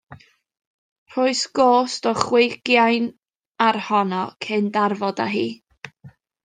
Rhoes gost o chweugain ar honno cyn darfod â hi.